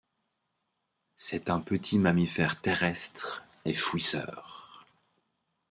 C'est un petit mammifère terrestre et fouisseur.